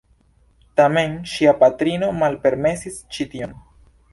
Tamen ŝia patrino malpermesis ĉi-tion.